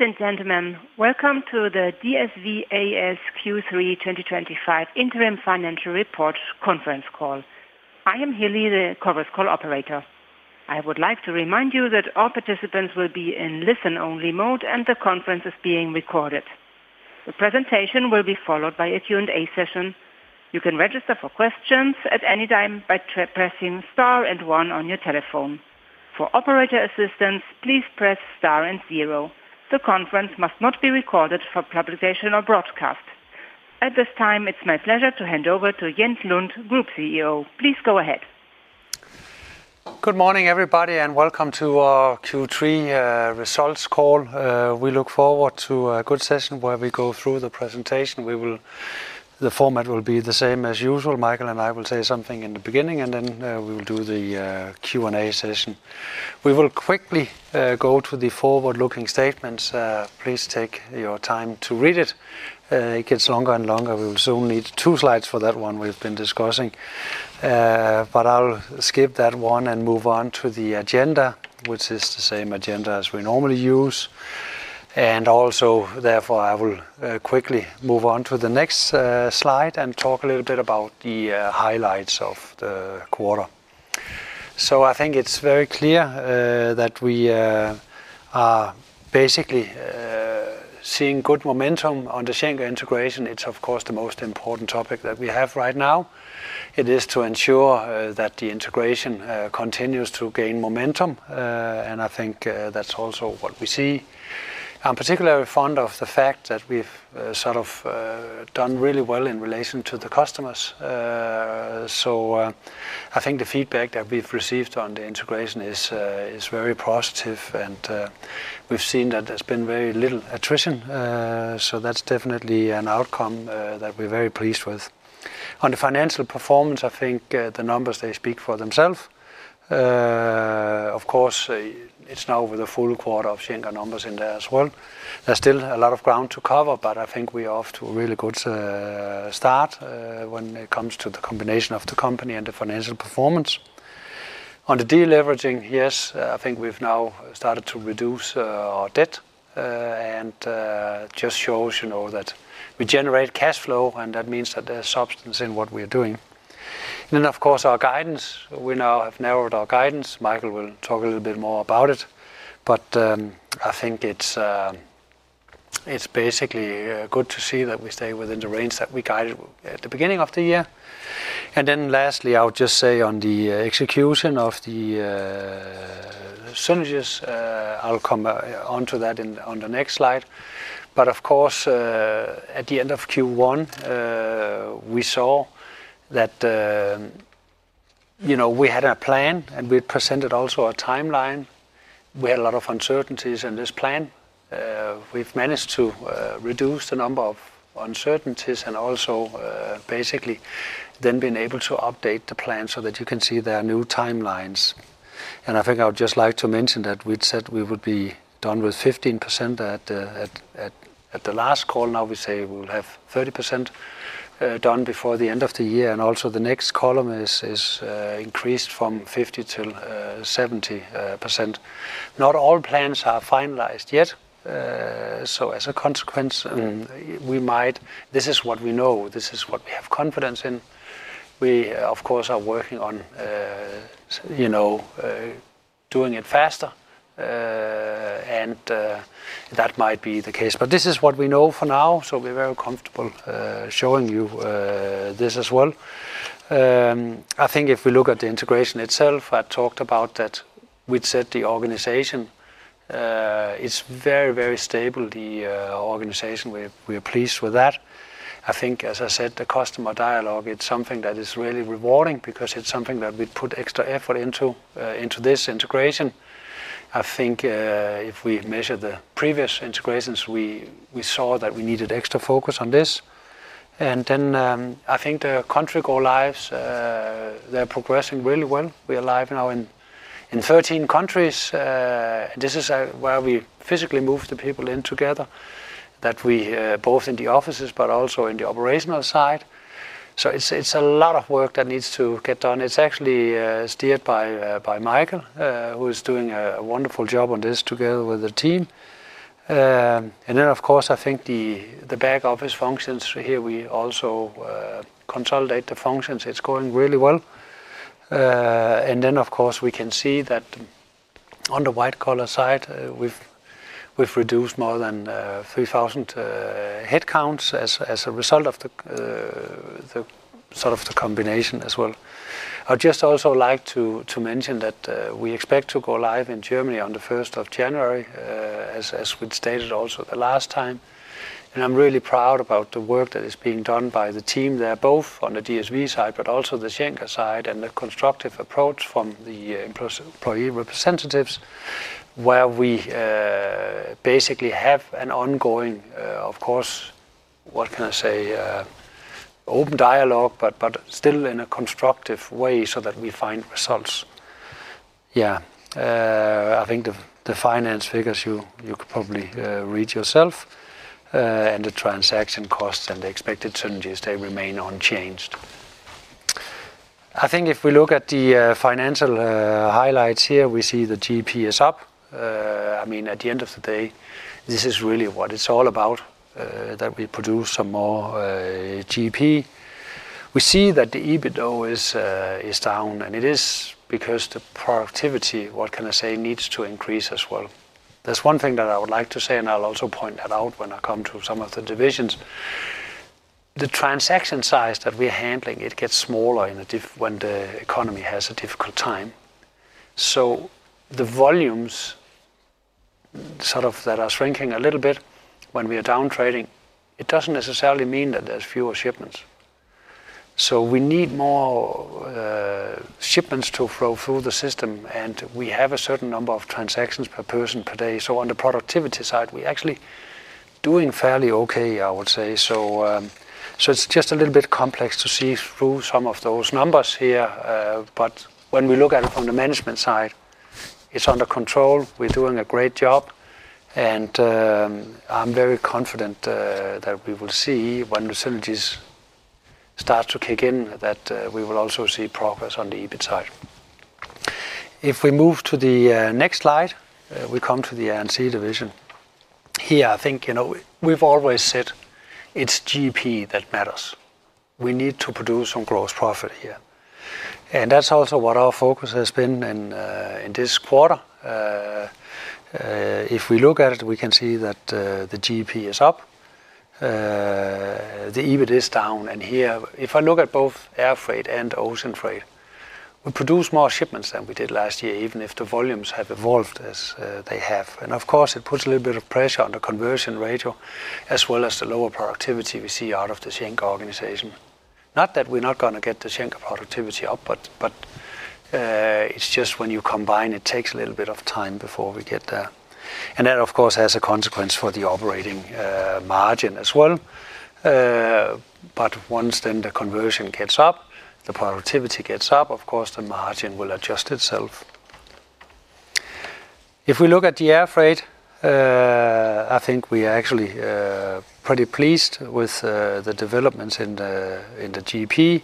Ladies and gentlemen, welcome to the DSV A/S Q3 2025 interim financial report conference call. I am Haley, the conference call operator. I would like to remind you that all participants will be in listen-only mode, and the conference is being recorded. The presentation will be followed by a Q&A session. You can register for questions at any time by pressing star and one on your telephone. For operator assistance, please press star and zero. The conference must not be recorded for publication or broadcast. At this time, it's my pleasure to hand over to Jens Lund, Group CEO. Please go ahead. Good morning, everybody, and welcome to our Q3 results call. We look forward to a good session where we go through the presentation. The format will be the same as usual. Michael and I will say something in the beginning, and then we will do the Q&A session. We will quickly go to the forward-looking statements. Please take your time to read it. It gets longer and longer. We will soon need two slides for that one we've been discussing. I'll skip that one and move on to the agenda, which is the same agenda as we normally use. Also, therefore, I will quickly move on to the next slide and talk a little bit about the highlights of the quarter. I think it's very clear that we are basically seeing good momentum on the Schenker integration. It's, of course, the most important topic that we have right now. It is to ensure that the integration continues to gain momentum, and I think that's also what we see. I'm particularly fond of the fact that we've sort of done really well in relation to the customers. I think the feedback that we've received on the integration is very positive, and we've seen that there's been very little attrition. That's definitely an outcome that we're very pleased with. On the financial performance, I think the numbers speak for themselves. Of course, it's now with the full quarter of Schenker numbers in there as well. There's still a lot of ground to cover, but I think we are off to a really good start when it comes to the combination of the company and the financial performance. On the de-leveraging, yes, I think we've now started to reduce our debt, and it just shows that we generate cash flow, and that means that there's substance in what we are doing. Of course, our guidance, we now have narrowed our guidance. Michael will talk a little bit more about it. I think it's basically good to see that we stay within the range that we guided at the beginning of the year. Lastly, I would just say on the execution of the synergies. I'll come onto that on the next slide. Of course, at the end of Q1, we saw that we had a plan, and we presented also a timeline. We had a lot of uncertainties in this plan. We've managed to reduce the number of uncertainties and also basically then been able to update the plan so that you can see there are new timelines. I think I would just like to mention that we'd said we would be done with 15% at the last call. Now we say we will have 30% done before the end of the year. Also, the next column is increased from 50% to 70%. Not all plans are finalized yet. As a consequence, this is what we know, this is what we have confidence in. We, of course, are working on doing it faster, and that might be the case. This is what we know for now, so we're very comfortable showing you this as well. I think if we look at the integration itself, I talked about that we'd said the organization is very, very stable. The organization, we are pleased with that. I think, as I said, the customer dialogue, it's something that is really rewarding because it's something that we'd put extra effort into this integration. If we measure the previous integrations, we saw that we needed extra focus on this. I think the country go-lives, they're progressing really well. We are live now in 13 countries. This is where we physically move the people in together, both in the offices but also on the operational side. It's a lot of work that needs to get done. It's actually steered by Michael, who is doing a wonderful job on this together with the team. Of course, I think the back office functions here, we also consolidate the functions. It's going really well. We can see that on the white-collar side, we've reduced more than 3,000 headcounts as a result of the combination as well. I'd just also like to mention that we expect to go live in Germany on the 1st of January, as we'd stated also the last time. I'm really proud about the work that is being done by the team there, both on the DSV side but also the Schenker side and the constructive approach from the employee representatives, where we basically have an ongoing, of course, open dialogue, but still in a constructive way so that we find results. I think the finance figures you could probably read yourself and the transaction costs and the expected synergies, they remain unchanged. If we look at the financial highlights here, we see the GP is up. At the end of the day, this is really what it's all about, that we produce some more GP. We see that the EBITDA is down, and it is because the productivity needs to increase as well. That's one thing that I would like to say, and I'll also point that out when I come to some of the divisions. The transaction size that we're handling gets smaller when the economy has a difficult time. The volumes that are shrinking a little bit when we are down trading, it doesn't necessarily mean that there's fewer shipments. We need more shipments to flow through the system, and we have a certain number of transactions per person per day. On the productivity side, we're actually doing fairly okay, I would say. It's just a little bit complex to see through some of those numbers here. When we look at it from the management side, it's under control. We're doing a great job, and I'm very confident that we will see when the synergies start to kick in, that we will also see progress on the EBIT side. If we move to the next slide, we come to the Air & Sea division. Here, I think we've always said it's GP that matters. We need to produce some gross profit here, and that's also what our focus has been in this quarter. If we look at it, we can see that the GP is up, the EBIT is down. If I look at both air freight and ocean freight, we produce more shipments than we did last year, even if the volumes have evolved as they have. Of course, it puts a little bit of pressure on the conversion ratio as well as the lower productivity we see out of the Schenker organization. Not that we're not going to get the Schenker productivity up, it's just when you combine, it takes a little bit of time before we get there. That, of course, has a consequence for the operating margin as well. Once the conversion gets up, the productivity gets up, the margin will adjust itself. If we look at the air freight, I think we are actually pretty pleased with the developments in the GP.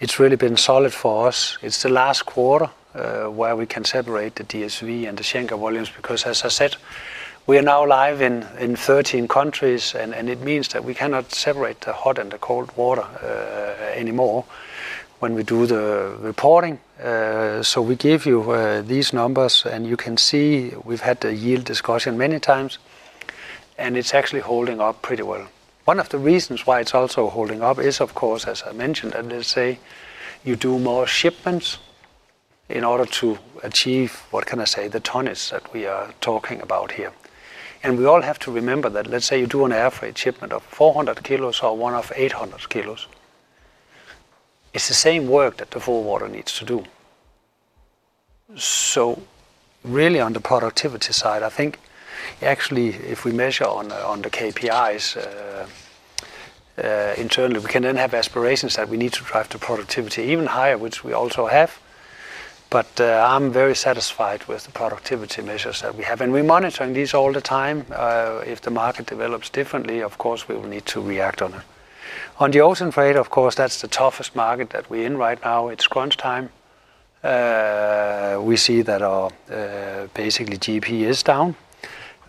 It's really been solid for us. It's the last quarter where we can separate the DSV and the Schenker volumes because, as I said, we are now live in 13 countries, and it means that we cannot separate the hot and the cold water anymore when we do the reporting. We give you these numbers, and you can see we've had the yield discussion many times, and it's actually holding up pretty well. One of the reasons why it's also holding up is, of course, as I mentioned, let's say you do more shipments in order to achieve, what can I say, the tonnage that we are talking about here. We all have to remember that let's say you do an air freight shipment of 400 kilos or one of 800 kilos, it's the same work that the full water needs to do. On the productivity side, I think actually, if we measure on the KPIs internally, we can then have aspirations that we need to drive the productivity even higher, which we also have. I'm very satisfied with the productivity measures that we have, and we're monitoring these all the time. If the market develops differently, of course, we will need to react on it. On the ocean freight, of course, that's the toughest market that we're in right now. It's crunch time. We see that our basically GP is down.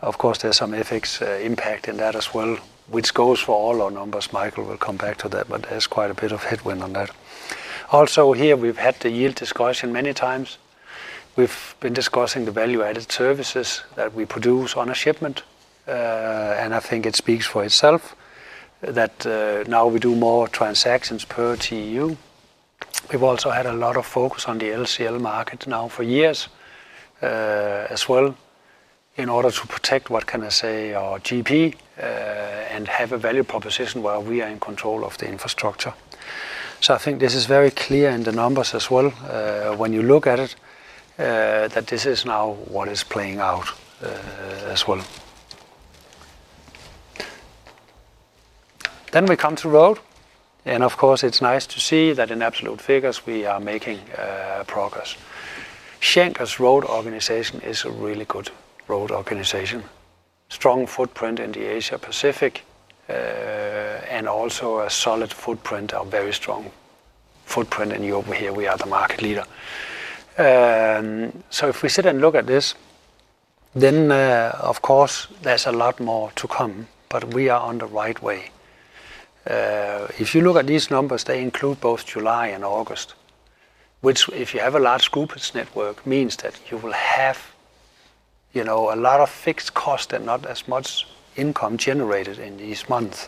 Of course, there's some FX impact in that as well, which goes for all our numbers. Michael will come back to that, but there's quite a bit of headwind on that. Also here, we've had the yield discussion many times. We've been discussing the value-added services that we produce on a shipment, and I think it speaks for itself that now we do more transactions per TEU. We've also had a lot of focus on the LCL market now for years as well in order to protect, what can I say, our GP and have a value proposition where we are in control of the infrastructure. I think this is very clear in the numbers as well when you look at it, that this is now what is playing out as well. We come to Road, and of course, it's nice to see that in absolute figures, we are making progress. Schenker's Road organization is a really good Road organization. Strong footprint in the Asia-Pacific and also a solid footprint, a very strong footprint in Europe. Here we are the market leader. If we sit and look at this, then of course, there's a lot more to come, but we are on the right way. If you look at these numbers, they include both July and August, which if you have a large scoopage network means that you will have a lot of fixed costs and not as much income generated in these months.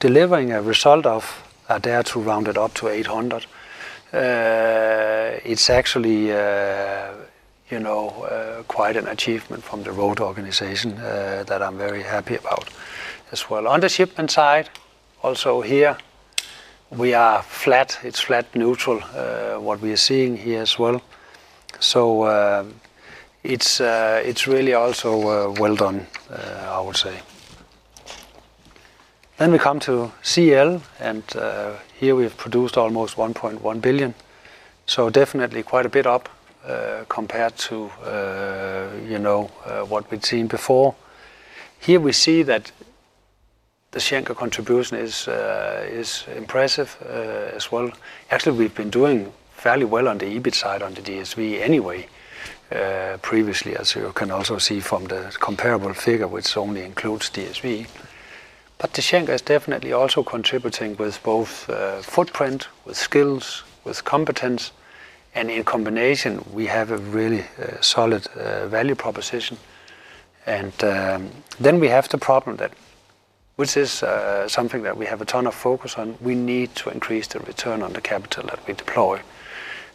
Delivering a result of, are there to round it up to 800 million, it's actually quite an achievement from the Road organization that I'm very happy about as well. On the shipment side, also here, we are flat. It's flat neutral what we are seeing here as well. It's really also well done, I would say. We come to CL, and here we've produced almost 1.1 billion. Definitely quite a bit up compared to what we'd seen before. Here we see that the Schenker contribution is impressive as well. Actually, we've been doing fairly well on the EBIT side on the DSV anyway previously, as you can also see from the comparable figure, which only includes DSV. Schenker is definitely also contributing with both footprint, with skills, with competence, and in combination, we have a really solid value proposition. We have the problem that, which is something that we have a ton of focus on, we need to increase the return on the capital that we deploy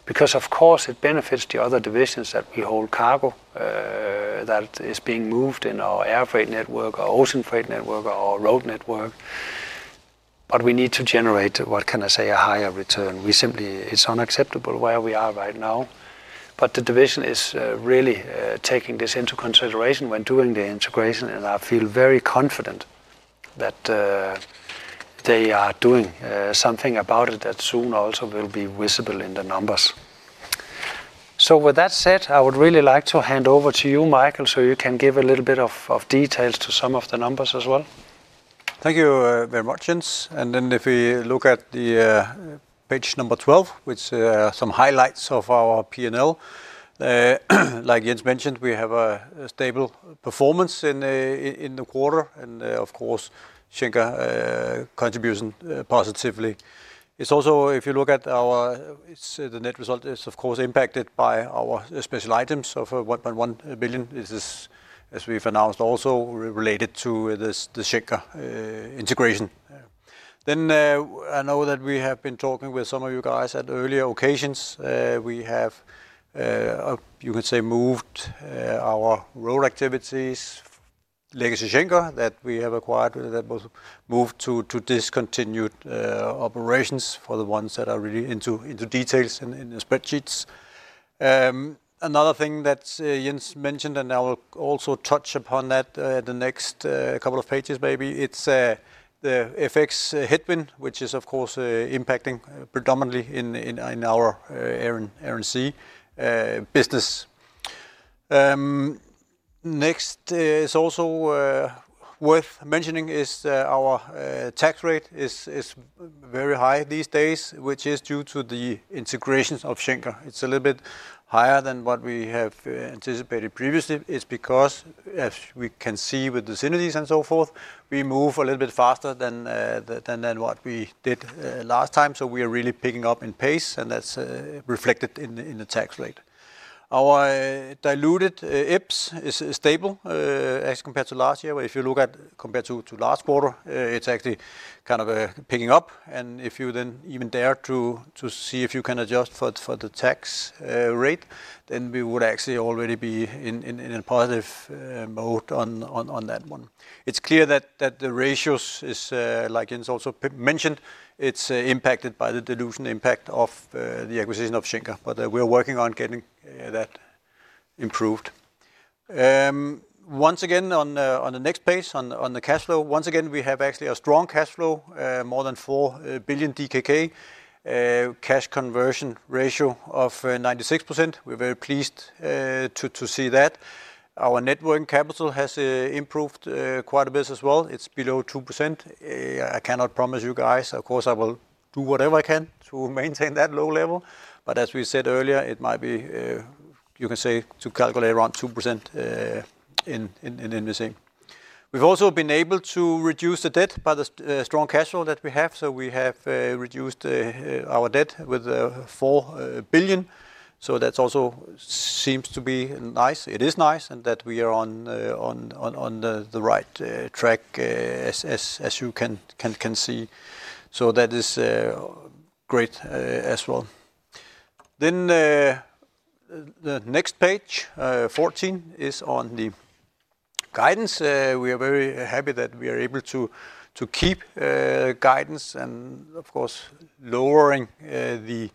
because, of course, it benefits the other divisions that will hold cargo that is being moved in our air freight network, our ocean freight network, or our road network. We need to generate, what can I say, a higher return. It's unacceptable where we are right now. The division is really taking this into consideration when doing the integration, and I feel very confident that they are doing something about it that soon also will be visible in the numbers. With that said, I would really like to hand over to you, Michael, so you can give a little bit of details to some of the numbers as well. Thank you very much, Jens. If we look at page number 12, which are some highlights of our P&L, like Jens mentioned, we have a stable performance in the quarter, and of course, Schenker contributes positively. If you look at our net result, it is, of course, impacted by our special items of 1.1 billion. This is, as we've announced, also related to the Schenker integration. I know that we have been talking with some of you guys at earlier occasions. We have, you can say, moved our Road activities, legacy Schenker that we have acquired, that was moved to discontinued operations for the ones that are really into details in the spreadsheets. Another thing that Jens mentioned, and I will also touch upon that in the next couple of pages, maybe, is the FX headwind, which is, of course, impacting predominantly in our Air & Sea business. Next, it's also worth mentioning our tax rate is very high these days, which is due to the integrations of Schenker. It's a little bit higher than what we have anticipated previously. It's because, as we can see with the synergies and so forth, we move a little bit faster than what we did last time. We are really picking up in pace, and that's reflected in the tax rate. Our diluted EPS is stable as compared to last year. If you look at compared to last quarter, it's actually kind of picking up. If you then even dare to see if you can adjust for the tax rate, then we would actually already be in a positive mode on that one. It's clear that the ratios are, like Jens also mentioned, impacted by the dilution impact of the acquisition of Schenker. We're working on getting that improved. On the next page, on the cash flow, we have actually a strong cash flow, more than 4 billion DKK, cash conversion ratio of 96%. We're very pleased to see that. Our net working capital has improved quite a bit as well. It's below 2%. I cannot promise you guys. Of course, I will do whatever I can to maintain that low level. As we said earlier, it might be, you can say, to calculate around 2% in the same. We've also been able to reduce the debt by the strong cash flow that we have. We have reduced our debt with 4 billion. That also seems to be nice. It is nice that we are on the right track, as you can see. That is great as well. The next page, 14, is on the guidance. We are very happy that we are able to keep guidance and, of course, lowering the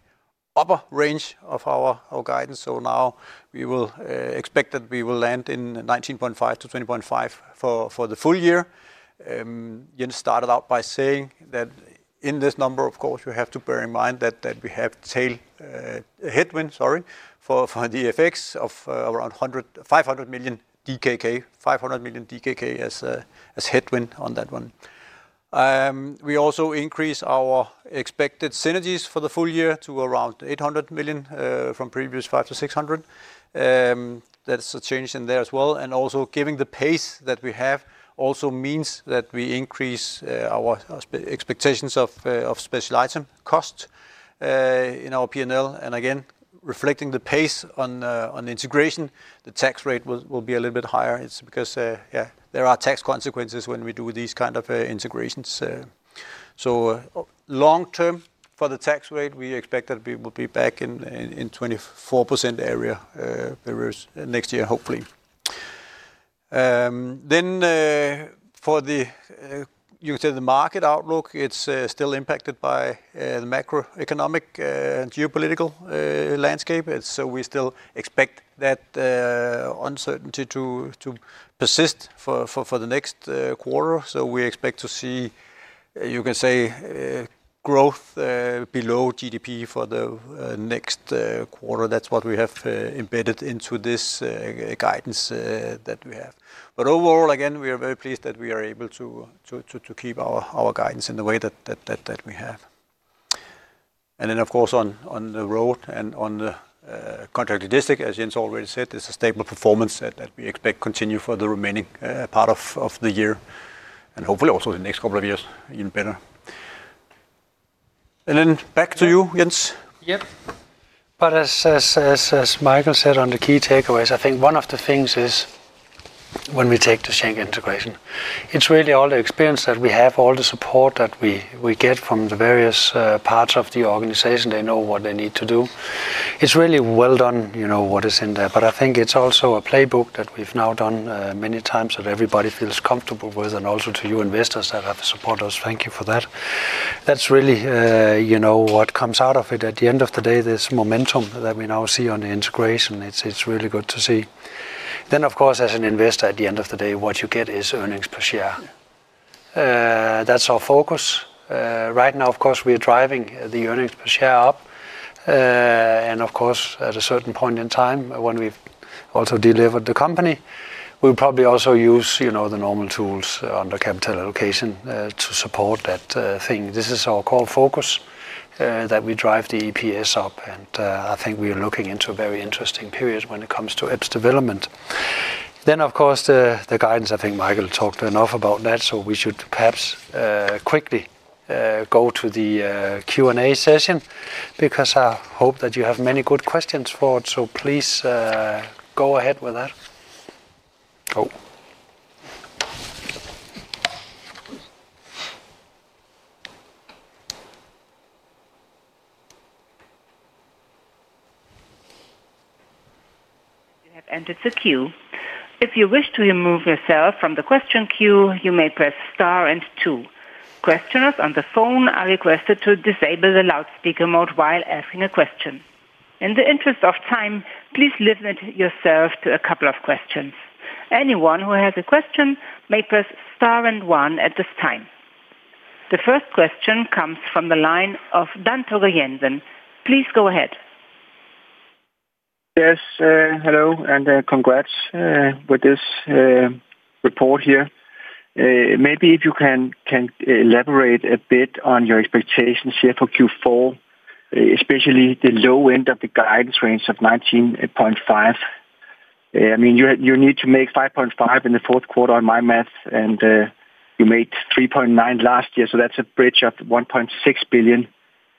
upper range of our guidance. Now we will expect that we will land in 19.5-20.5 for the full year. Jens started out by saying that in this number, of course, you have to bear in mind that we have headwind for the FX of around 500 million DKK, 500 million DKK as headwind on that one. We also increase our expected synergies for the full year to around 800 million from previous 500 million- 600 million. That's a change in there as well. Also, giving the pace that we have also means that we increase our expectations of special item cost in our P&L. Again, reflecting the pace on integration, the tax rate will be a little bit higher. It's because there are tax consequences when we do these kind of integrations. Long term for the tax rate, we expect that we will be back in the 24% area next year, hopefully. For the market outlook, it's still impacted by the macro-economic and geopolitical landscape. We still expect that uncertainty to persist for the next quarter. We expect to see growth below GDP for the next quarter. That's what we have embedded into this guidance that we have. Overall, again, we are very pleased that we are able to keep our guidance in the way that we have. On the Road and on the contract logistics, as Jens already said, it's a stable performance that we expect to continue for the remaining part of the year and hopefully also the next couple of years, even better. Then back to you, Jens. Yep. As Michael said on the key takeaways, I think one of the things is when we take the Schenker integration, it's really all the experience that we have, all the support that we get from the various parts of the organization. They know what they need to do. It's really well done, you know what is in there. I think it's also a playbook that we've now done many times that everybody feels comfortable with and also to you investors that have supported us. Thank you for that. That's really, you know what comes out of it. At the end of the day, this momentum that we now see on the integration, it's really good to see. Of course, as an investor, at the end of the day, what you get is earnings per share. That's our focus. Right now, we are driving the earnings per share up. Of course, at a certain point in time, when we've also delivered the company, we'll probably also use the normal tools under capital allocation to support that thing. This is our core focus that we drive the EPS up. I think we are looking into a very interesting period when it comes to EPS development. The guidance, I think Michael talked enough about that. We should perhaps quickly go to the Q&A session because I hope that you have many good questions for it. Please go ahead with that. We have ended the queue. If you wish to remove yourself from the question queue, you may press star and two. Questioners on the phone are requested to disable the loudspeaker mode while asking a question. In the interest of time, please limit yourself to a couple of questions. Anyone who has a question may press star and one at this time. The first question comes from the line of Dan Togo Jensen. Please go ahead. Yes. Hello and congrats with this report here. Maybe if you can elaborate a bit on your expectations here for Q4, especially the low end of the guidance range of 19.5 billion. I mean, you need to make 5.5 billion in the fourth quarter on my math, and you made 3.9 billion last year. That's a bridge of 1.6 billion.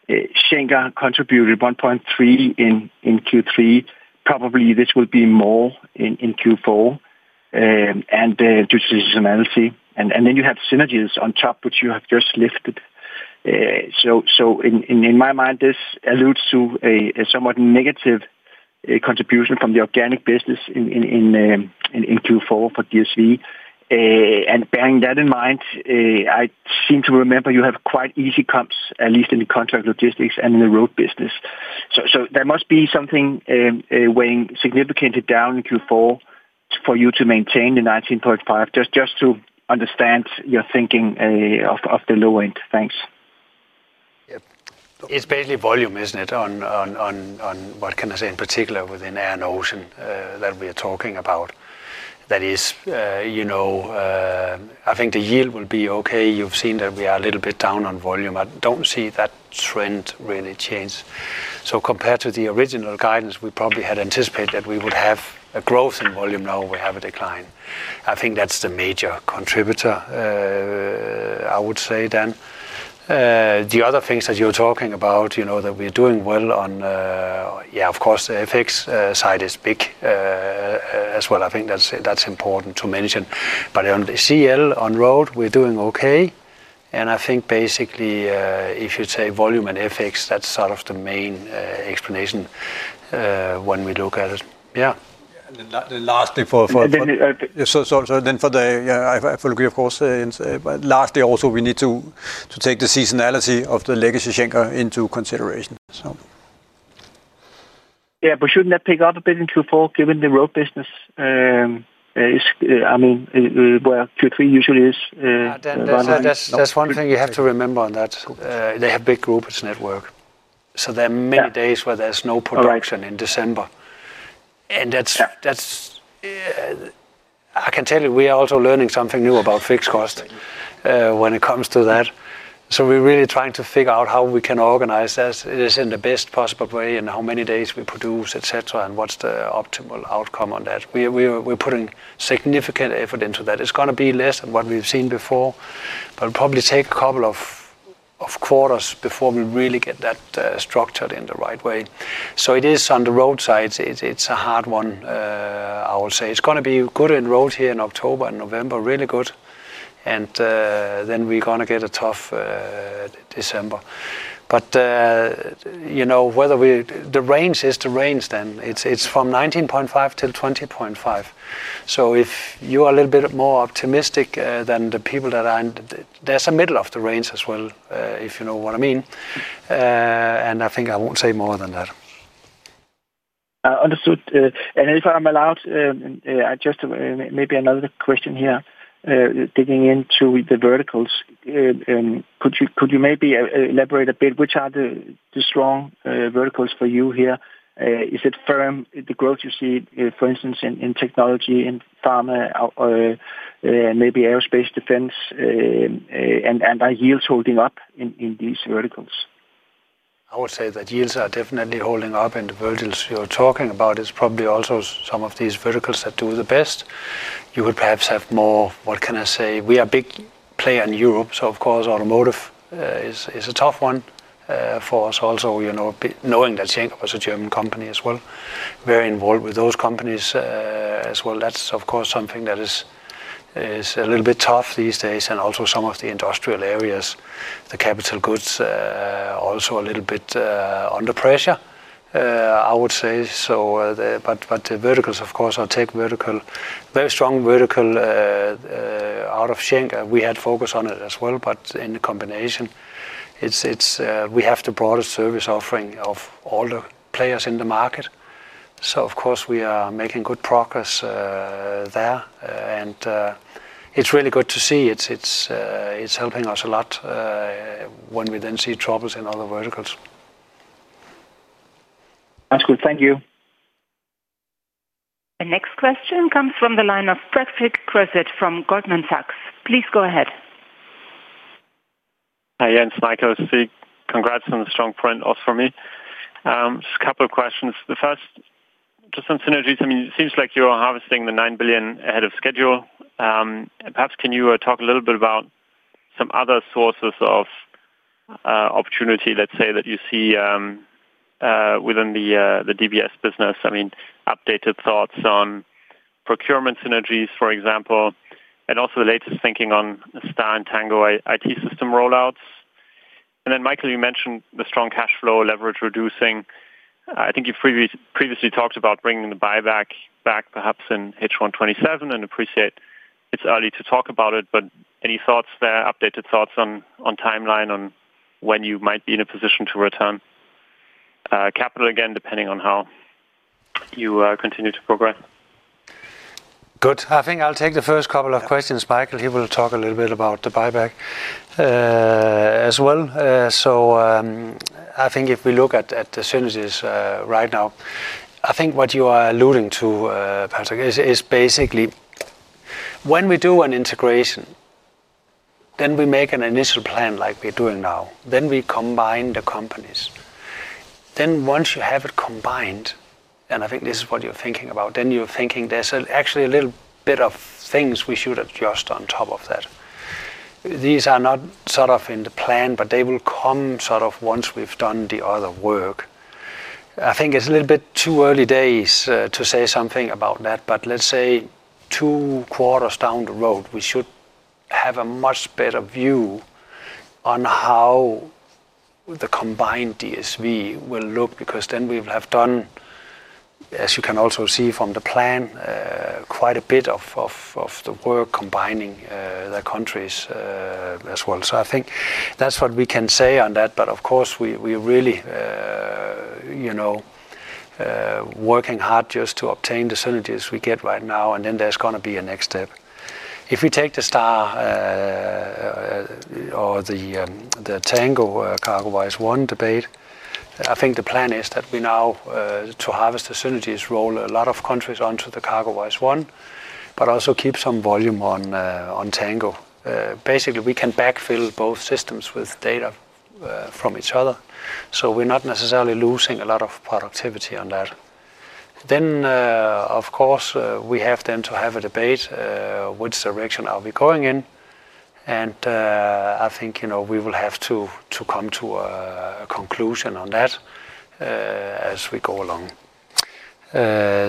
Schenker contributed 1.3 billion in Q3. Probably this will be more in Q4 due to seasonality, and you have synergies on top, which you have just lifted. In my mind, this alludes to a somewhat negative contribution from the organic business in Q4 for DSV. Bearing that in mind, I seem to remember you have quite easy comps, at least in the contract logistics and in the Road business. There must be something weighing significantly down in Q4 for you to maintain the 19.5 billion, just to understand your thinking of the low end. Thanks. Yep. Especially volume, isn't it, on what can I say in particular within Air & Sea that we are talking about? That is, you know, I think the yield will be okay. You've seen that we are a little bit down on volume. I don't see that trend really change. Compared to the original guidance, we probably had anticipated that we would have a growth in volume. Now we have a decline. I think that's the major contributor, I would say. The other things that you're talking about, you know that we're doing well on, yeah, of course, the FX side is big as well. I think that's important to mention. On the contract logistics and Road, we're doing okay. I think basically, if you'd say volume and FX, that's sort of the main explanation when we look at it. Yeah. Lastly, we need to take the seasonality of the legacy Schenker into consideration. Yeah, shouldn't that pick up a bit in Q4 given the Road business? I mean, where Q3 usually is running. That's one thing you have to remember on that. They have a big group as network. There are many days where there's no production in December. I can tell you, we are also learning something new about fixed cost when it comes to that. We're really trying to figure out how we can organize this in the best possible way and how many days we produce, etc., and what's the optimal outcome on that. We're putting significant effort into that. It's going to be less than what we've seen before, but it'll probably take a couple of quarters before we really get that structured in the right way. It is on the Road side. It's a hard one, I will say. It's going to be good in Road here in October and November, really good. We're going to get a tough December. You know whether the range is the range then, it's from 19.5-20.5. If you are a little bit more optimistic than the people that are, there's a middle of the range as well, if you know what I mean. I think I won't say more than that. Understood. If I'm allowed, just maybe another question here, digging into the verticals. Could you maybe elaborate a bit? Which are the strong verticals for you here? Is it firm, the growth you see, for instance, in technology, in pharma, or maybe aerospace defense? Are yields holding up in these verticals? I would say that yields are definitely holding up in the verticals you're talking about. It's probably also some of these verticals that do the best. You would perhaps have more, what can I say? We are a big player in Europe. Of course, automotive is a tough one for us also, you know, knowing that Schenker was a German company as well. Very involved with those companies as well. That's, of course, something that is a little bit tough these days. Also, some of the industrial areas, the capital goods are also a little bit under pressure, I would say. The verticals, of course, are tech vertical, very strong vertical out of Schenker. We had focus on it as well, but in the combination, we have the broadest service offering of all the players in the market. Of course, we are making good progress there, and it's really good to see. It's helping us a lot when we then see troubles in other verticals. That's good. Thank you. The next question comes from the line of Patrick Creuset from Goldman Sachs. Please go ahead. Hi Jens, Michael. Congrats on the strong print, also from me. Just a couple of questions. The first, just some synergies. I mean, it seems like you are harvesting the 9 billion ahead of schedule. Perhaps can you talk a little bit about some other sources of opportunity, let's say, that you see within the DSV business? I mean, updated thoughts on procurement synergies, for example, and also the latest thinking on STAR, Tango IT system rollouts. Michael, you mentioned the strong cash flow, leverage reducing. I think you've previously talked about bringing the buyback back perhaps in H1 2027 and appreciate it's early to talk about it. Any thoughts there, updated thoughts on timeline, on when you might be in a position to return capital, again, depending on how you continue to progress? Good. I think I'll take the first couple of questions. Michael, he will talk a little bit about the buyback as well. If we look at the synergies right now, I think what you are alluding to, Patrick, is basically when we do an integration, then we make an initial plan like we're doing now. We combine the companies. Once you have it combined, and I think this is what you're thinking about, then you're thinking there's actually a little bit of things we should adjust on top of that. These are not sort of in the plan, but they will come once we've done the other work. I think it's a little bit too early days to say something about that. Let's say two quarters down the road, we should have a much better view on how the combined DSV will look because then we'll have done, as you can also see from the plan, quite a bit of the work combining the countries as well. I think that's what we can say on that. Of course, we're really working hard just to obtain the synergies we get right now. There's going to be a next step. If we take the STAR or the Tango CargoWise One debate, I think the plan is that we now, to harvest the synergies, roll a lot of countries onto the CargoWise One, but also keep some volume on Tango. Basically, we can backfill both systems with data from each other. We're not necessarily losing a lot of productivity on that. We have to have a debate, which direction are we going in? I think we will have to come to a conclusion on that as we go along.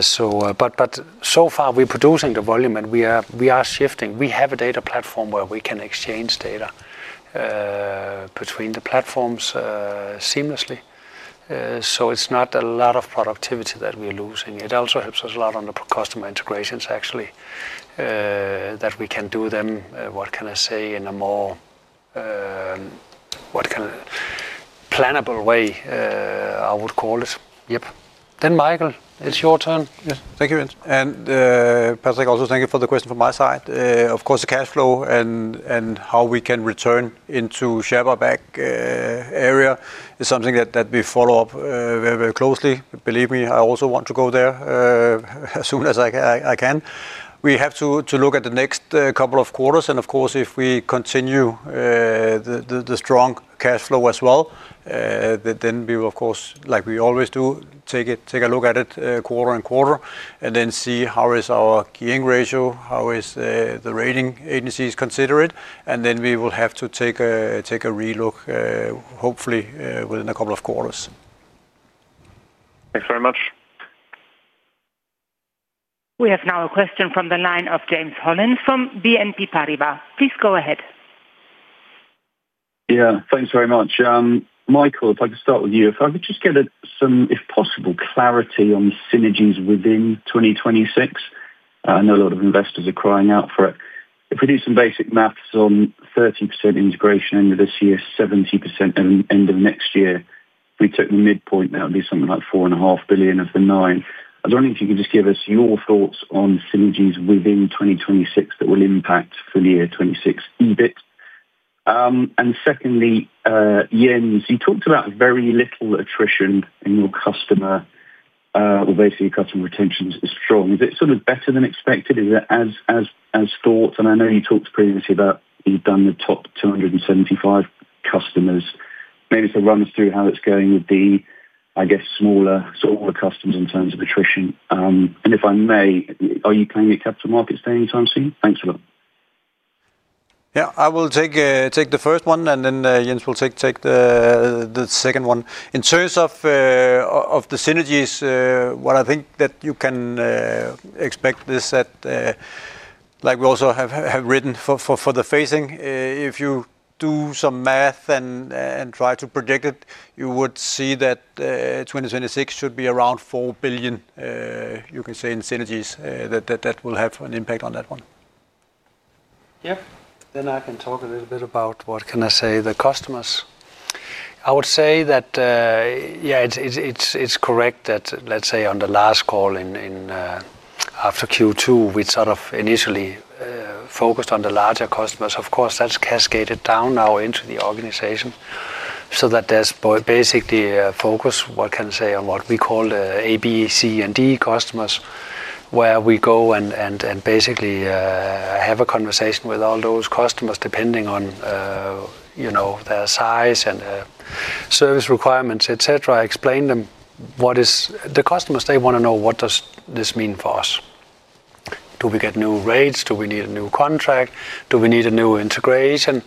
So far, we're producing the volume and we are shifting. We have a data platform where we can exchange data between the platforms seamlessly. It's not a lot of productivity that we're losing. It also helps us a lot on the customer integrations, actually, that we can do them, what can I say, in a more plannable way, I would call it. Yep. Michael, it's your turn. Thank you, Jens. Patrick, also thank you for the question from my side. Of course, the cash flow and how we can return into share buyback area is something that we follow up very, very closely. Believe me, I also want to go there as soon as I can. We have to look at the next couple of quarters. If we continue the strong cash flow as well, then we will, like we always do, take a look at it quarter on quarter and then see how is our keying ratio, how the rating agencies consider it. We will have to take a relook, hopefully, within a couple of quarters. Thanks very much. We have now a question from the line of James Hollins from BNP Paribas. Please go ahead. Yeah, thanks very much. Michael, if I could start with you, if I could just get some, if possible, clarity on synergies within 2026. I know a lot of investors are crying out for it. If we do some basic maths on 30% integration end of this year, 70% end of next year, if we took the midpoint, that would be something like 4.5 billion of the 9 billion. I was wondering if you could just give us your thoughts on synergies within 2026 that will impact for the year 2026 EBIT. Secondly, Jens, you talked about very little attrition in your customer, or basically your customer retention is strong. Is it sort of better than expected? Is it as thought? I know you talked previously about you've done the top 275 customers. Maybe if you run us through how it's going with the, I guess, smaller sort of customers in terms of attrition. If I may, are you planning a capital markets day anytime soon? Thanks a lot. Yeah, I will take the first one, and then Jens will take the second one. In terms of the synergies, what I think that you can expect is that, like we also have written for the phasing, if you do some math and try to predict it, you would see that 2026 should be around 4 billion, you can say, in synergies that will have an impact on that one. I can talk a little bit about, what can I say, the customers. I would say that, yeah, it's correct that, let's say, on the last call after Q2, we sort of initially focused on the larger customers. Of course, that's cascaded down now into the organization so that there's basically a focus, what can I say, on what we call the A, B, C, and D customers, where we go and basically have a conversation with all those customers depending on their size and service requirements, etc. I explain to them what is the customers. They want to know what does this mean for us. Do we get new rates? Do we need a new contract? Do we need a new integration?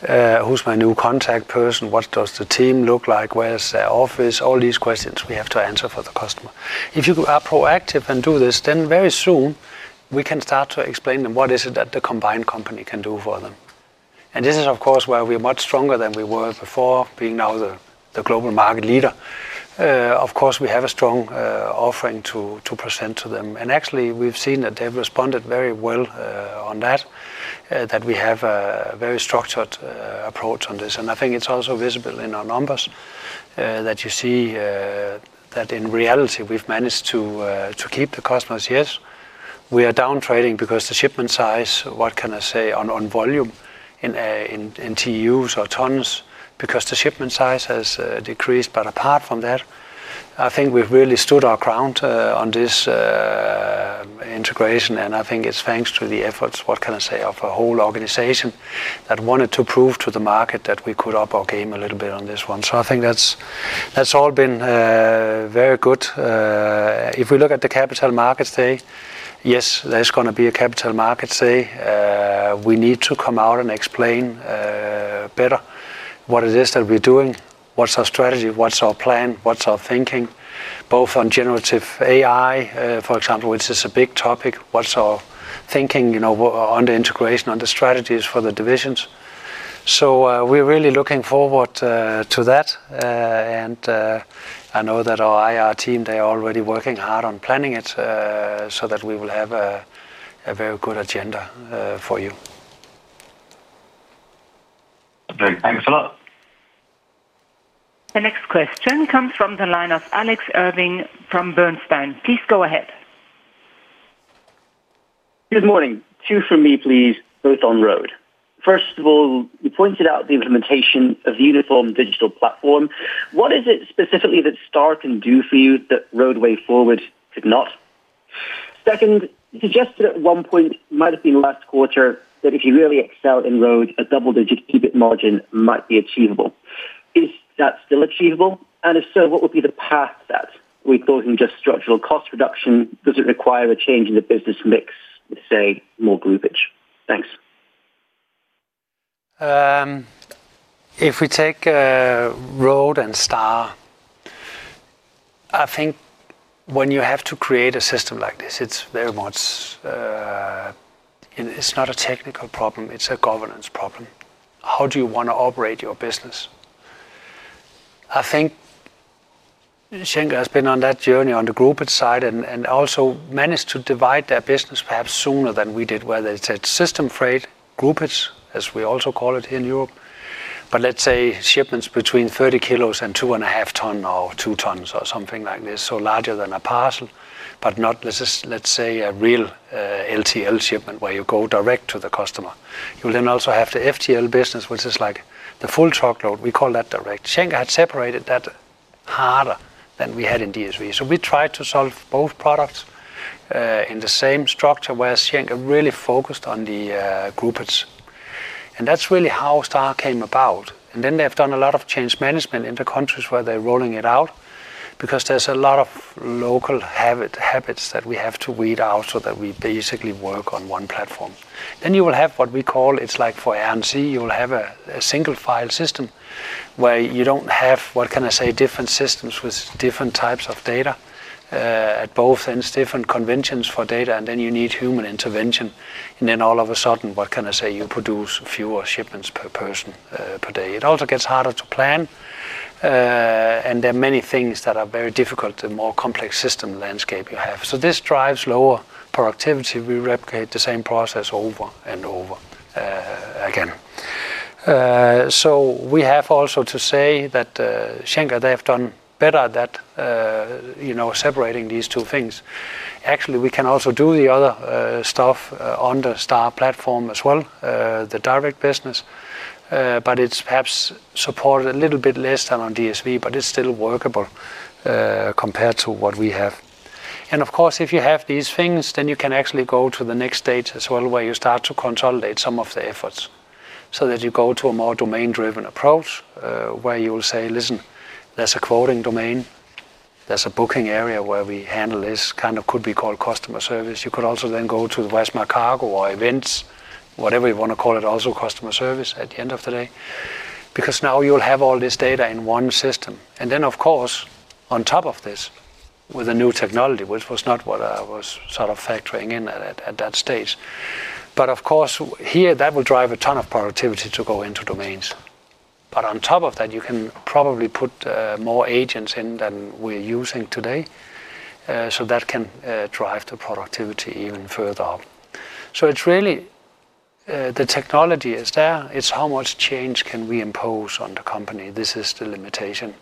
Who's my new contact person? What does the team look like? Where is their office? All these questions we have to answer for the customer. If you are proactive and do this, very soon we can start to explain to them what is it that the combined company can do for them. This is, of course, where we are much stronger than we were before, being now the global market leader. Of course, we have a strong offering to present to them. Actually, we've seen that they've responded very well on that, that we have a very structured approach on this. I think it's also visible in our numbers that you see that in reality, we've managed to keep the customers. Yes, we are down trading because the shipment size, what can I say, on volume in TEUs or tonnes, because the shipment size has decreased. Apart from that, I think we've really stood our ground on this integration. I think it's thanks to the efforts, what can I say, of a whole organization that wanted to prove to the market that we could up our game a little bit on this one. I think that's all been very good. If we look at the capital markets day, yes, there's going to be a capital markets day. We need to come out and explain better what it is that we're doing, what's our strategy, what's our plan, what's our thinking, both on generative AI, for example, which is a big topic, what's our thinking on the integration, on the strategies for the divisions. We're really looking forward to that. I know that our IR team, they are already working hard on planning it so that we will have a very good agenda for you. Thanks a lot. The next question comes from the line of Alex Irving from Bernstein. Please go ahead. Good morning. Two from me, please, both on Road. First of all, you pointed out the implementation of the uniform digital platform. What is it specifically that STAR can do for you that Roadway Forward did not? Second, you suggested at one point, it might have been last quarter, that if you really excel in Road, a double-digit EBIT margin might be achievable. Is that still achievable? If so, what would be the path to that? Are we talking just structural cost reduction? Does it require a change in the business mix, let's say, more groupage? Thanks. If we take Road and STAR, I think when you have to create a system like this, it's very much, it's not a technical problem. It's a governance problem. How do you want to operate your business? I think Schenker has been on that journey on the groupage side and also managed to divide their business perhaps sooner than we did, whether it's at system freight, groupage, as we also call it here in Europe. Let's say shipments between 30 kilos and 2.5 tons or 2 tons or something like this, so larger than a parcel, but not, let's say, a real LTL shipment where you go direct to the customer. You then also have the FTL business, which is like the full truckload. We call that direct. Schenker had separated that harder than we had in DSV. We tried to solve both products in the same structure, whereas Schenker really focused on the groupage. That's really how STAR came about. They have done a lot of change management in the countries where they're rolling it out because there's a lot of local habits that we have to weed out so that we basically work on one platform. You will have what we call, it's like for Air & Sea, you will have a single file system where you don't have, what can I say, different systems with different types of data at both ends, different conventions for data, and then you need human intervention. All of a sudden, what can I say, you produce fewer shipments per person per day. It also gets harder to plan. There are many things that are very difficult, the more complex system landscape you have. This drives lower productivity. We replicate the same process over and over again. We have also to say that Schenker, they have done better at separating these two things. Actually, we can also do the other stuff on the STAR platform as well, the direct business. It's perhaps supported a little bit less than on DSV, but it's still workable compared to what we have. Of course, if you have these things, then you can actually go to the next stage as well, where you start to consolidate some of the efforts so that you go to a more domain-driven approach, where you will say, listen, there's a quoting domain, there's a booking area where we handle this kind of, could be called customer service. You could also then go to the Westmark cargo or events, whatever you want to call it, also customer service at the end of the day, because now you'll have all this data in one system. Of course, on top of this, with a new technology, which was not what I was sort of factoring in at that stage, that will drive a ton of productivity to go into domains. On top of that, you can probably put more agents in than we're using today, which can drive the productivity even further up. The technology is there. It's how much change can we impose on the company. This is the limitation.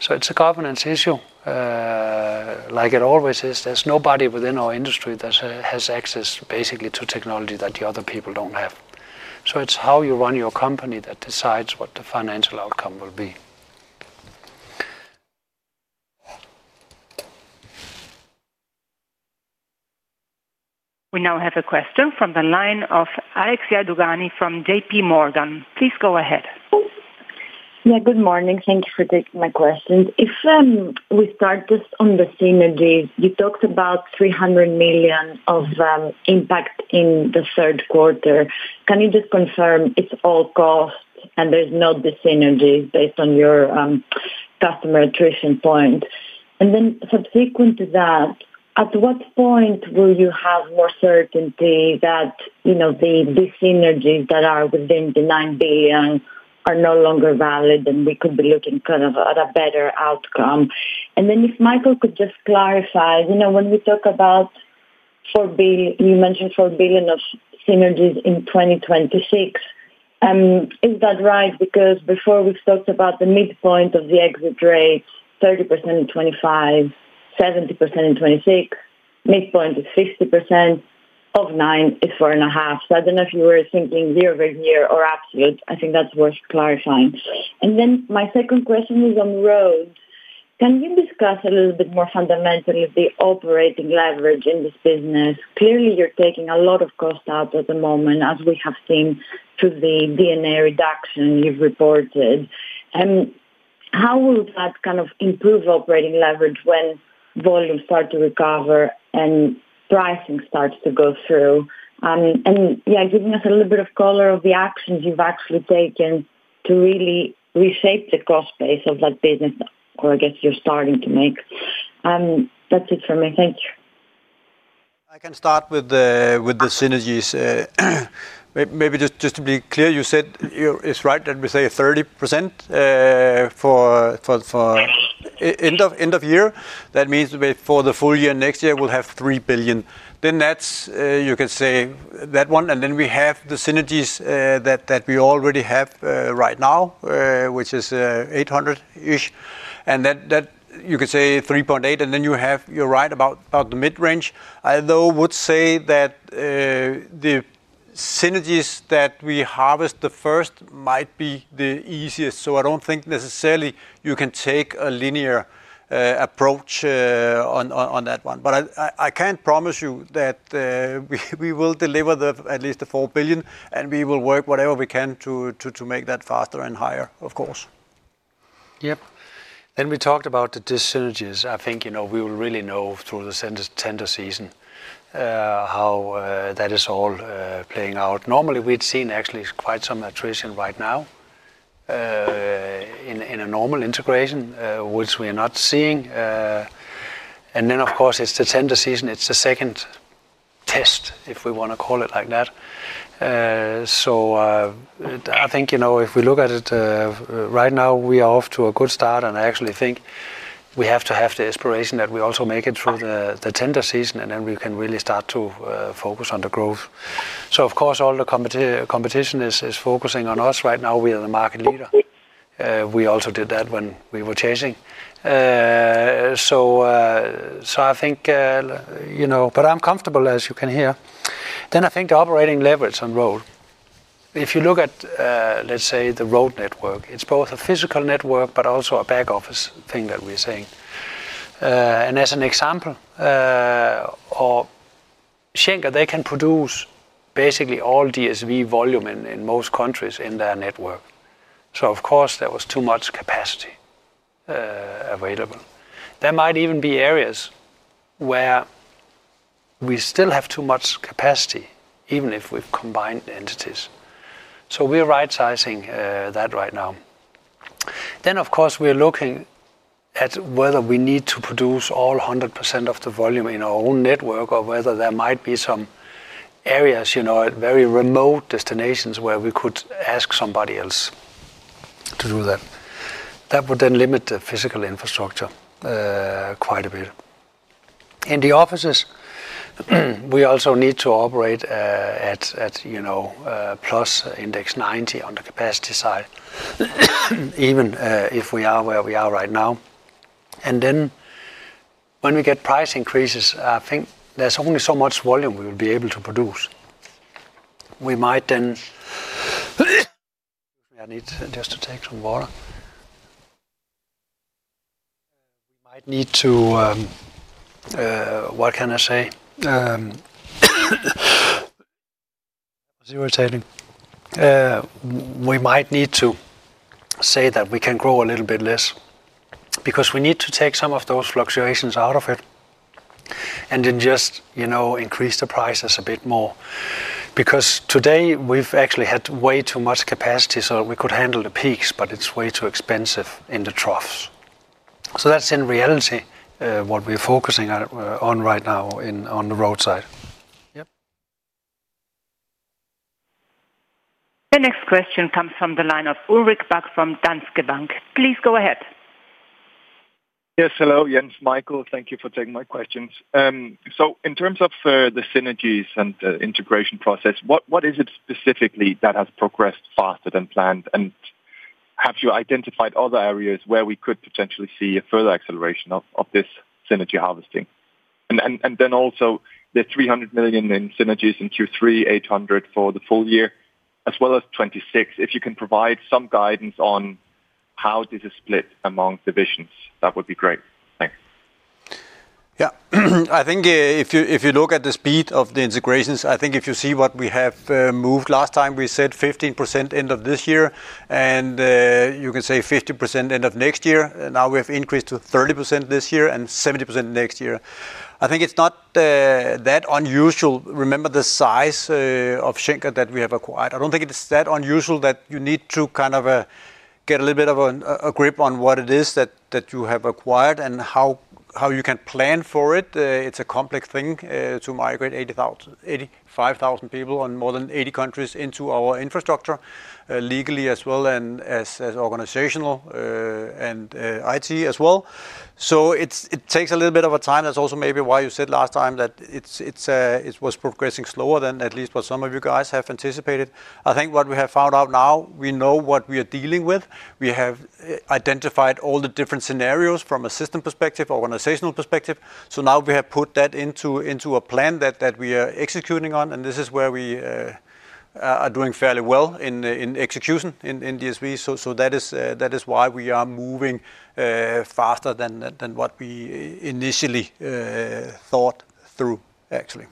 It's a governance issue, like it always is. There's nobody within our industry that has access basically to technology that the other people don't have. It's how you run your company that decides what the financial outcome will be. We now have a question from the line of Alexia Dugani from J.P. Morgan. Please go ahead. Yeah, good morning. Thank you for taking my questions. If we start just on the synergies, you talked about 300 million of impact in the third quarter. Can you just confirm it's all cost and there's not the synergies based on your customer attrition point? At what point will you have more certainty that these synergies that are within the 9 billion are no longer valid and we could be looking kind of at a better outcome? If Michael could just clarify, you know when we talk about 4 billion, you mentioned 4 billion of synergies in 2026. Is that right? Because before we've talked about the midpoint of the exit rate, 30% in 2025, 70% in 2026, midpoint is 50% of 9 billion, is 4.5 billion. I don't know if you were thinking year over year or absolute. I think that's worth clarifying. My second question is on Road. Can you discuss a little bit more fundamentally the operating leverage in this business? Clearly, you're taking a lot of cost out at the moment, as we have seen through the DNA reduction you've reported. How will that kind of improve operating leverage when volumes start to recover and pricing starts to go through? Giving us a little bit of color of the actions you've actually taken to really reshape the cost base of that business, or I guess you're starting to make. That's it for me. Thank you. I can start with the synergies. Maybe just to be clear, you said it's right that we say 30% for end of year. That means for the full year next year, we'll have 3 billion. That's, you can say, that one. Then we have the synergies that we already have right now, which is 800 million-ish. You could say 3.8 billion. You're right about the mid-range. I would say that the synergies that we harvest first might be the easiest. I don't think necessarily you can take a linear approach on that one. I can promise you that we will deliver at least the 4 billion, and we will work whatever we can to make that faster and higher, of course. Yep. We talked about the synergies. I think we will really know through the tender season how that is all playing out. Normally, we'd seen actually quite some attrition right now in a normal integration, which we are not seeing. Of course, it's the tender season. It's the second test, if we want to call it like that. I think if we look at it right now, we are off to a good start. I actually think we have to have the aspiration that we also make it through the tender season, and then we can really start to focus on the growth. Of course, all the competition is focusing on us right now. We are the market leader. We also did that when we were chasing. I think, you know, but I'm comfortable, as you can hear. I think the operating leverage on Road. If you look at, let's say, the Road network, it's both a physical network, but also a back office thing that we're saying. As an example, Schenker, they can produce basically all DSV volume in most countries in their network. Of course, there was too much capacity available. There might even be areas where we still have too much capacity, even if we've combined entities. We're right-sizing that right now. Of course, we're looking at whether we need to produce all 100% of the volume in our own network, or whether there might be some areas, you know, very remote destinations where we could ask somebody else to do that. That would then limit the physical infrastructure quite a bit. In the offices, we also need to operate at plus index 90 on the capacity side, even if we are where we are right now. When we get price increases, I think there's only so much volume we will be able to produce. We might then, excuse me, I need just to take some water. We might need to, what can I say? We might need to say that we can grow a little bit less because we need to take some of those fluctuations out of it and then just increase the prices a bit more. Because today we've actually had way too much capacity, so we could handle the peaks, but it's way too expensive in the troughs. That's in reality what we're focusing on right now on the Road side. The next question comes from the line of Ulrik Bak from Danske Bank. Please go ahead. Yes, hello, Jens, Michael. Thank you for taking my questions. In terms of the synergies and the integration process, what is it specifically that has progressed faster than planned? Perhaps you identified other areas where we could potentially see a further acceleration of this synergy harvesting. Also, the 300 million in synergies in Q3, 800 million for the full year, as well as 26 million. If you can provide some guidance on how this is split among divisions, that would be great. Thanks. Yeah. I think if you look at the speed of the integrations, I think if you see what we have moved last time, we said 15% end of this year, and you can say 50% end of next year. Now we've increased to 30% this year and 70% next year. I think it's not that unusual. Remember the size of Schenker that we have acquired. I don't think it's that unusual that you need to kind of get a little bit of a grip on what it is that you have acquired and how you can plan for it. It's a complex thing to migrate 85,000 people in more than 80 countries into our infrastructure, legally as well as organizational and IT as well. It takes a little bit of time. That's also maybe why you said last time that it was progressing slower than at least what some of you guys have anticipated. I think what we have found out now, we know what we are dealing with. We have identified all the different scenarios from a system perspective, organizational perspective. Now we have put that into a plan that we are executing on. This is where we are doing fairly well in execution in DSV. That is why we are moving faster than what we initially thought through, actually.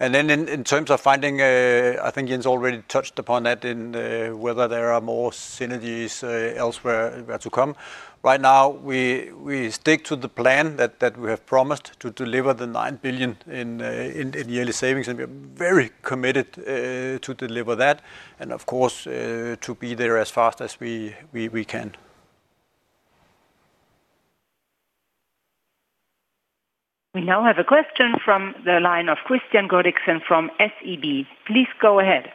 In terms of finding, I think Jens already touched upon that in whether there are more synergies elsewhere to come. Right now, we stick to the plan that we have promised to deliver the 9 billion in yearly savings. We are very committed to deliver that and, of course, to be there as fast as we can. We now have a question from the line of Kristian Godiksen from SEB. Please go ahead.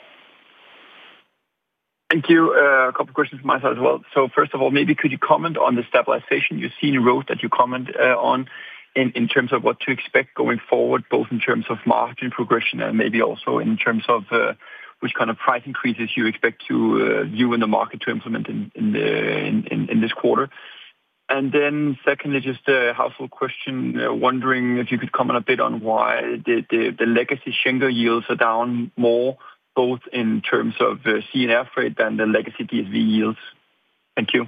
Thank you. A couple of questions from myself as well. First of all, maybe could you comment on the stabilization you've seen in Road that you comment on in terms of what to expect going forward, both in terms of margin progression and maybe also in terms of which kind of price increases you expect to view in the market to implement in this quarter? Secondly, just a household question, wondering if you could comment a bit on why the legacy Schenker yields are down more, both in terms of C and F rate than the legacy DSV yields. Thank you.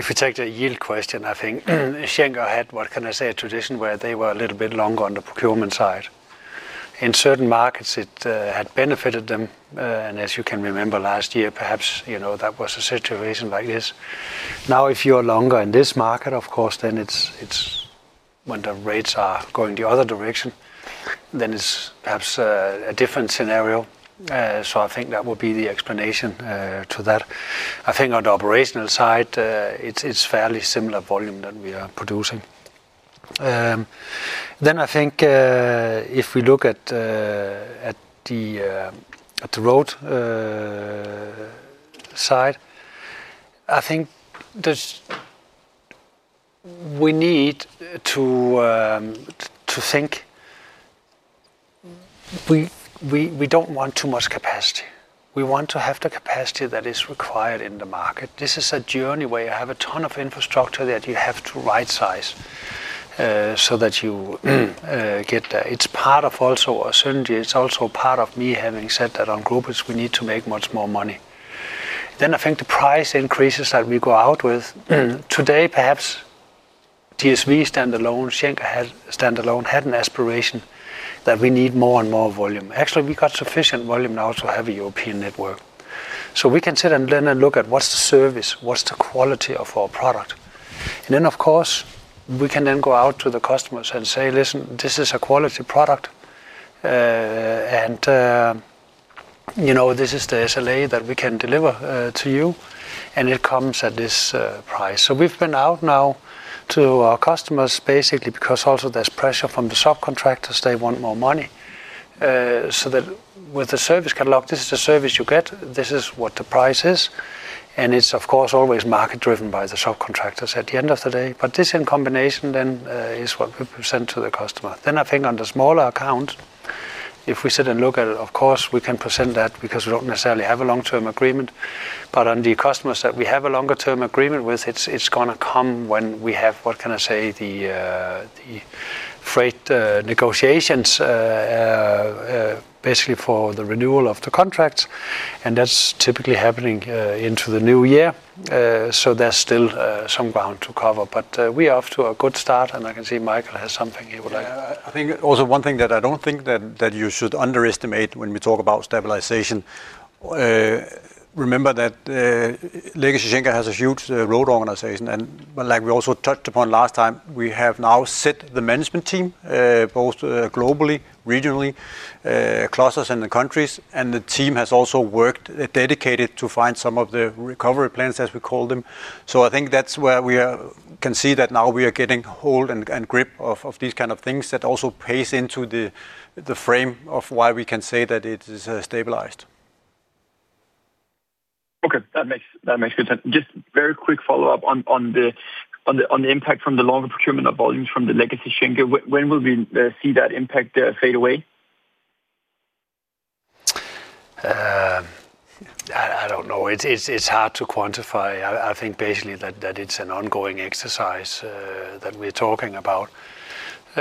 If we take the yield question, I think Schenker had, what can I say, a tradition where they were a little bit longer on the procurement side. In certain markets, it had benefited them. As you can remember last year, perhaps that was a situation like this. Now, if you are longer in this market, of course, when the rates are going the other direction, then it's perhaps a different scenario. I think that would be the explanation to that. On the operational side, it's fairly similar volume that we are producing. If we look at the Road side, I think we need to think we don't want too much capacity. We want to have the capacity that is required in the market. This is a journey where you have a ton of infrastructure that you have to right-size so that you get there. It's part of also a synergy. It's also part of me having said that on groupage, we need to make much more money. The price increases that we go out with today, perhaps DSV standalone, Schenker standalone had an aspiration that we need more and more volume. Actually, we got sufficient volume now to have a European network. We can sit and then look at what's the service, what's the quality of our product. Of course, we can then go out to the customers and say, listen, this is a quality product, and you know this is the SLA that we can deliver to you, and it comes at this price. We've been out now to our customers basically because also there's pressure from the subcontractors. They want more money. With the service catalog, this is the service you get. This is what the price is. It's, of course, always market-driven by the subcontractors at the end of the day. This in combination then is what we present to the customer. On the smaller account, if we sit and look at it, of course, we can present that because we don't necessarily have a long-term agreement. On the customers that we have a longer-term agreement with, it's going to come when we have, what can I say, the freight negotiations basically for the renewal of the contracts. That's typically happening into the new year. There's still some ground to cover. We are off to a good start, and I can see Michael has something he would like. I think also one thing that I don't think that you should underestimate when we talk about stabilization. Remember that legacy Schenker has a huge Road organization. Like we also touched upon last time, we have now set the management team, both globally, regionally, clusters, and the countries. The team has also worked dedicated to find some of the recovery plans, as we call them. I think that's where we can see that now we are getting hold and grip of these kind of things that also pays into the frame of why we can say that it is stabilized. Okay, that makes good sense. Just very quick follow-up on the impact from the longer procurement of volumes from the legacy Schenker. When will we see that impact fade away? I don't know. It's hard to quantify. I think basically that it's an ongoing exercise that we're talking about. I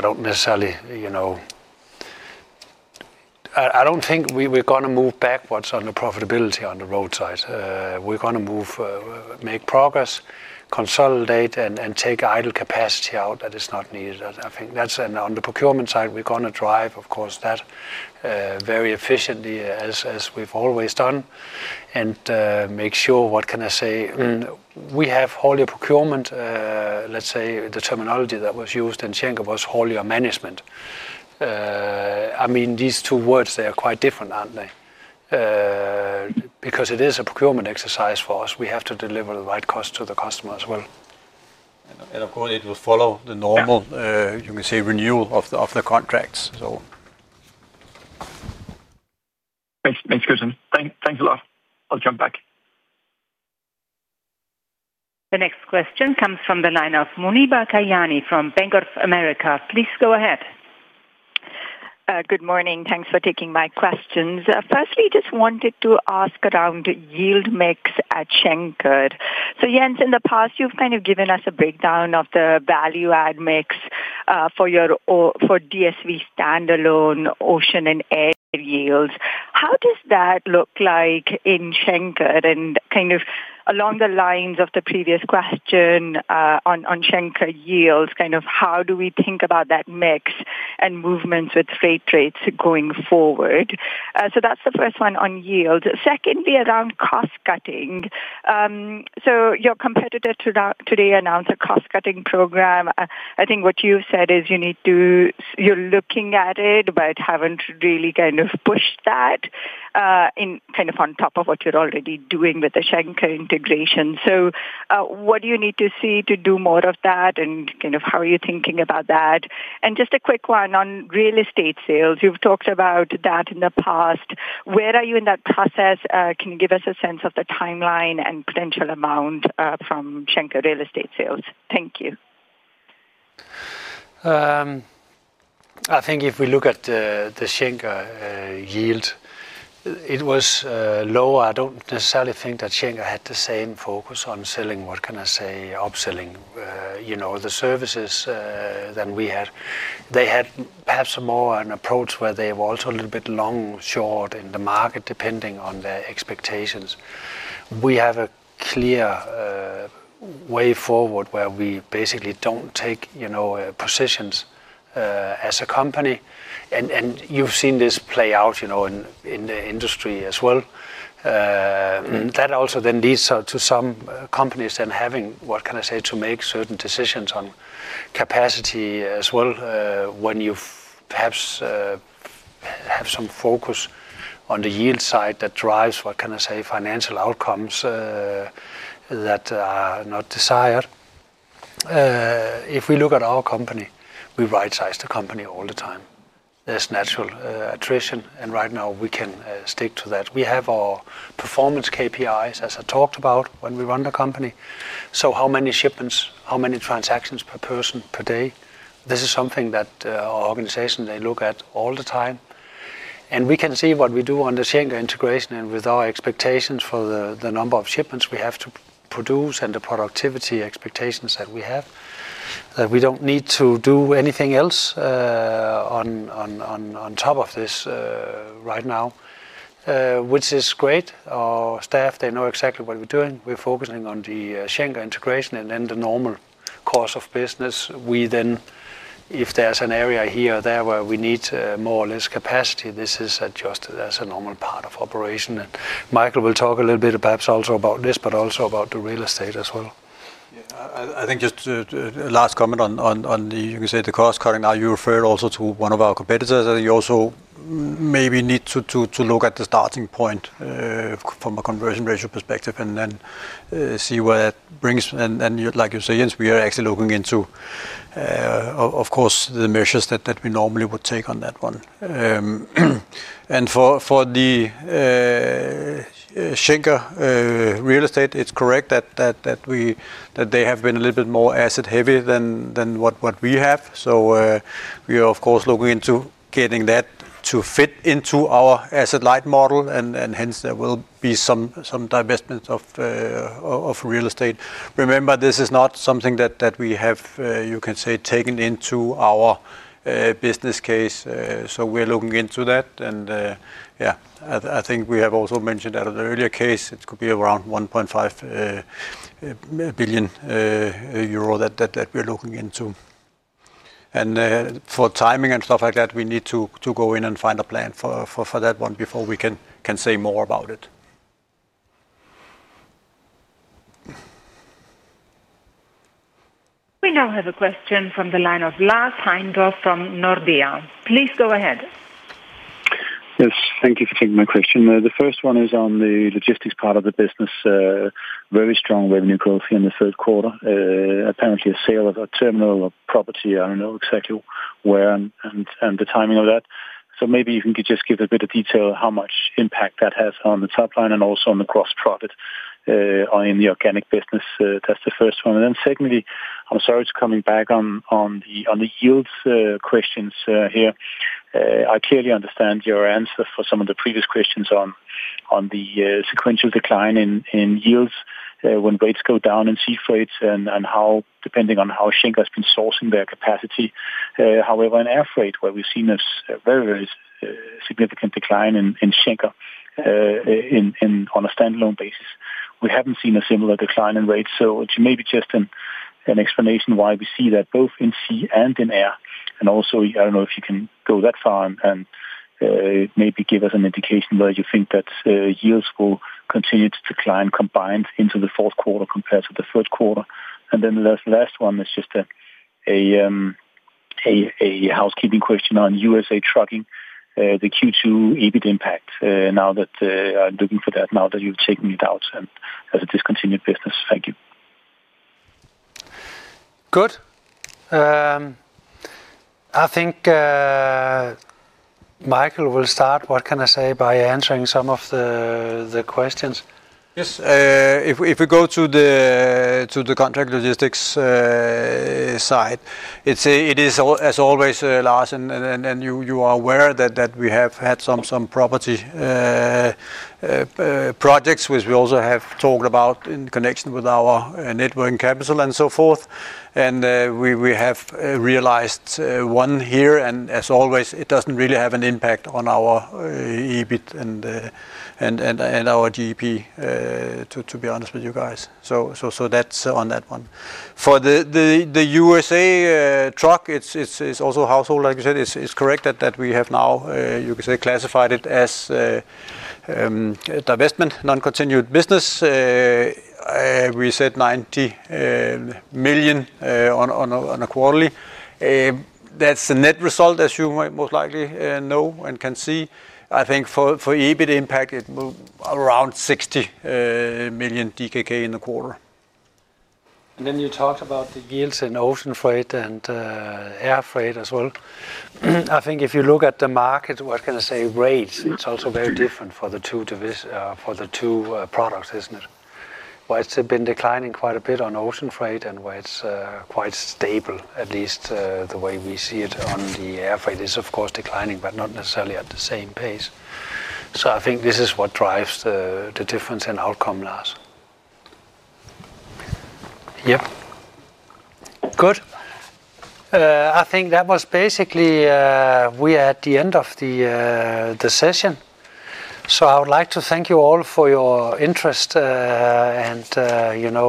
don't necessarily think we're going to move backwards on the profitability on the Road side. We're going to make progress, consolidate, and take idle capacity out that is not needed. I think that's on the procurement side. We're going to drive, of course, that very efficiently, as we've always done, and make sure, what can I say, we have whole year procurement. The terminology that was used in Schenker was whole year management. These two words, they are quite different, aren't they? Because it is a procurement exercise for us. We have to deliver the right cost to the customer as well. It will follow the normal, you can say, renewal of the contracts. Thanks, Jens. Thanks a lot. I'll jump back. The next question comes from the line of Muneeba Kayani from Bank of America. Please go ahead. Good morning. Thanks for taking my questions. Firstly, I just wanted to ask around yield mix at Schenker. Jens, in the past, you've kind of given us a breakdown of the value-add mix for your DSV standalone ocean and air yields. How does that look like in Schenker? Along the lines of the previous question on Schenker yields, how do we think about that mix and movements with freight rates going forward? That's the first one on yield. Secondly, around cost cutting. Your competitor today announced a cost cutting program. I think what you've said is you need to, you're looking at it, but haven't really pushed that on top of what you're already doing with the Schenker integration. What do you need to see to do more of that and how are you thinking about that? Just a quick one on real estate sales. You've talked about that in the past. Where are you in that process? Can you give us a sense of the timeline and potential amount from Schenker real estate sales? Thank you. I think if we look at the Schenker yield, it was lower. I don't necessarily think that Schenker had the same focus on selling, what can I say, upselling the services than we had. They had perhaps more an approach where they were also a little bit long short in the market depending on their expectations. We have a clear way forward where we basically don't take positions as a company. You've seen this play out in the industry as well. That also then leads to some companies then having, what can I say, to make certain decisions on capacity as well when you perhaps have some focus on the yield side that drives, what can I say, financial outcomes that are not desired. If we look at our company, we right-size the company all the time. There's natural attrition. Right now, we can stick to that. We have our performance KPIs, as I talked about, when we run the company. How many shipments, how many transactions per person per day? This is something that our organization, they look at all the time. We can see what we do on the Schenker integration and with our expectations for the number of shipments we have to produce and the productivity expectations that we have, that we don't need to do anything else on top of this right now, which is great. Our staff, they know exactly what we're doing. We're focusing on the Schenker integration and then the normal course of business. If there's an area here or there where we need more or less capacity, this is adjusted as a normal part of operation. Michael will talk a little bit perhaps also about this, but also about the real estate as well. Yeah, I think just a last comment on, you can say, the cost cutting. Now you referred also to one of our competitors. I think you also maybe need to look at the starting point from a conversion ratio perspective and then see where that brings. Like you say, Jens, we are actually looking into, of course, the measures that we normally would take on that one. For the Schenker real estate, it's correct that they have been a little bit more asset-heavy than what we have. We are, of course, looking into getting that to fit into our asset-light model. Hence, there will be some divestments of real estate. Remember, this is not something that we have, you can say, taken into our business case. We're looking into that. I think we have also mentioned that on the earlier case, it could be around 1.5 billion euro that we're looking into. For timing and stuff like that, we need to go in and find a plan for that one before we can say more about it. We now have a question from the line of Lars Heindorf from Nordea. Please go ahead. Yes, thank you for taking my question. The first one is on the logistics part of the business. Very strong revenue growth here in the third quarter. Apparently, a sale of a terminal or property, I don't know exactly where and the timing of that. Maybe you can just give a bit of detail on how much impact that has on the top line and also on the gross profit in the organic business. That's the first one. Secondly, I'm sorry, it's coming back on the yields questions here. I clearly understand your answer for some of the previous questions on the sequential decline in yields when rates go down in sea freights and how, depending on how Schenker has been sourcing their capacity. However, in air freight, where we've seen a very, very significant decline in Schenker on a standalone basis, we haven't seen a similar decline in rates. It's maybe just an explanation why we see that both in sea and in air. Also, I don't know if you can go that far and maybe give us an indication where you think that yields will continue to decline combined into the fourth quarter compared to the third quarter. The last one is just a housekeeping question on USA trucking, the Q2 EBIT impact. Now that I'm looking for that, now that you've taken it out and as a discontinued business, thank you. Good. I think Michael will start by answering some of the questions. Yes. If we go to the contract logistics side, it is as always, Lars, and you are aware that we have had some property projects, which we also have talked about in connection with our networking capital and so forth. We have realized one here, and as always, it doesn't really have an impact on our EBIT and our GP, to be honest with you guys. That's on that one. For the USA truck, it's also household, like you said, it's correct that we have now, you can say, classified it as a divestment non-continued business. We said 90 million on a quarterly. That's the net result, as you most likely know and can see. I think for EBIT impact, it moved around 60 million DKK in the quarter. You talked about the yields in ocean freight and air freight as well. If you look at the market rates, it's also very different for the two products, isn't it? It's been declining quite a bit on ocean freight, and it's quite stable, at least the way we see it on the air freight. It is, of course, declining, but not necessarily at the same pace. I think this is what drives the difference in outcome, Lars. Yep. Good. That was basically it. We are at the end of the session. I would like to thank you all for your interest and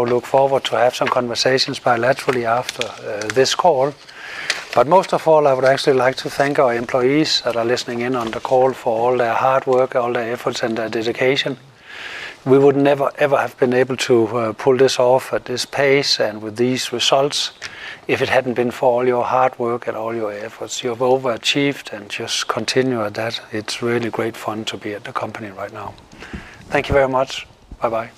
look forward to having some conversations bilaterally after this call. Most of all, I would actually like to thank our employees that are listening in on the call for all their hard work, all their efforts, and their dedication. We would never ever have been able to pull this off at this pace and with these results if it hadn't been for all your hard work and all your efforts. You have overachieved and just continue at that. It's really great fun to be at the company right now. Thank you very much. Bye-bye.